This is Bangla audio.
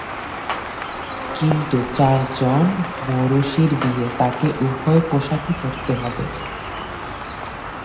কিন্তু... চারজন মৌরুসির বিয়ে, তাকে উভয় পোশাকই পরতে হবে।